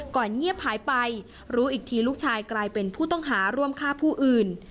เงียบหายไปรู้อีกทีลูกชายกลายเป็นผู้ต้องหาร่วมฆ่าผู้อื่น